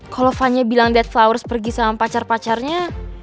kalau fanya bilang that flowers pergi sama pacar pacarnya